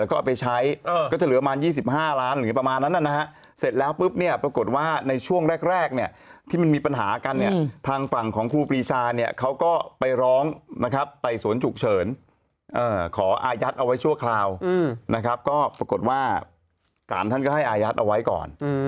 ก็ปรากฏว่าการท่านก็ให้อายัดเอาไว้ก่อน